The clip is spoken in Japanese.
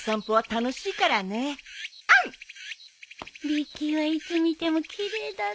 ビッキーはいつ見ても奇麗だね。